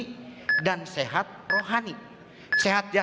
makanya kita punya memiliki kemampuan